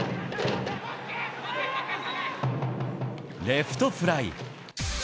レフトフライ。